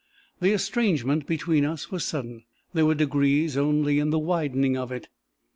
"The estrangement between us was sudden; there were degrees only in the widening of it.